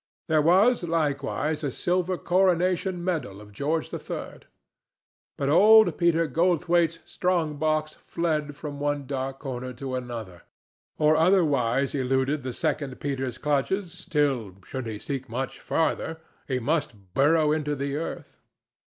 There was likewise a silver coronation medal of George III. But old Peter Goldthwaite's strong box fled from one dark corner to another, or otherwise eluded the second Peter's clutches till, should he seek much farther, he must burrow into the earth.